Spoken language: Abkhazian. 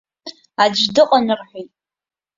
Аӡә дыҟан рҳәеит.